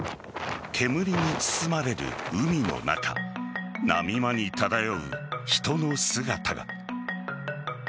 煙に包まれる海の中波間に漂う人の姿が。